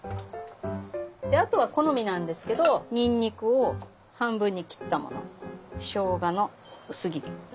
であとは好みなんですけどにんにくを半分に切ったものしょうがの薄切り。